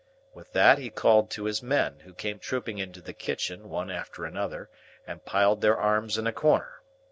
With that, he called to his men, who came trooping into the kitchen one after another, and piled their arms in a corner.